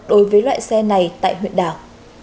đối với loại xe này tại huyện đảo